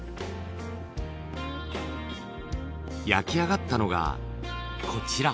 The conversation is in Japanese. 焼き上がったのがこちら。